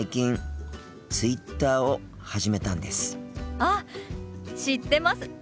あっ知ってます。